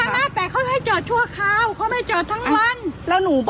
สาธารณะแต่เขาให้จอดชั่วคราวเขาไม่จอดทั้งวัน